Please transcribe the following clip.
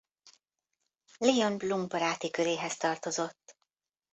Léon Blum baráti köréhez tartozott.